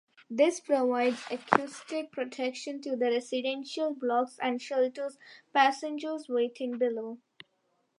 This provides acoustic protection to the residential blocks and shelters passengers waiting below.